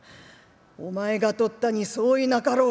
『お前がとったに相違なかろう。